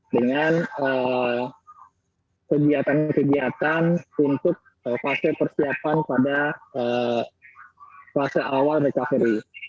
dengan kegiatan kegiatan untuk fase persiapan pada fase awal recovery